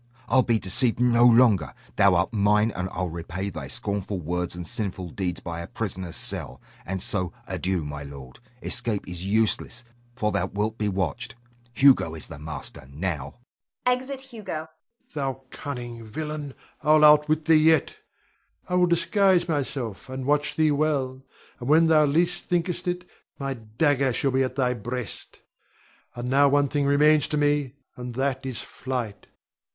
I'll be deceived no longer. Thou art mine, and I'll repay thy scornful words and sinful deeds by a prisoner's cell. And so, adieu, my lord. Escape is useless, for thou wilt be watched. Hugo is the master now! [Exit Hugo. Rod. Thou cunning villain, I'll outwit thee yet. I will disguise myself, and watch thee well, and when least thou thinkest it, my dagger shall be at thy breast. And now one thing remains to me, and that is flight.